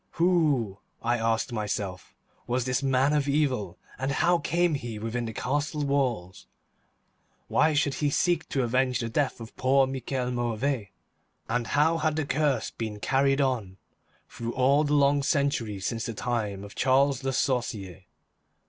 Who, I asked myself, was this man of evil, and how came he within the castle walls? Why should he seek to avenge the death of poor Michel Mauvais, and how had the curse been carried on through all the long centuries since the time of Charles Le Sorcier?